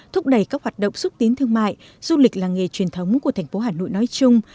thúc đẩy các hoạt động xúc tiến thương mại du lịch làng nghề truyền thống của thành phố hà nội nói chung